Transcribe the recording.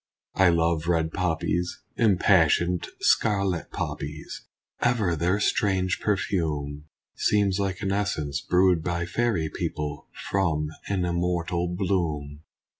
I love red poppies! Impassioned scarlet poppies! Ever their strange perfume Seems like an essence brewed by fairy people From an immortal bloom.